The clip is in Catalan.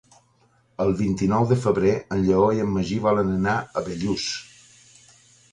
El vint-i-nou de febrer en Lleó i en Magí volen anar a Bellús.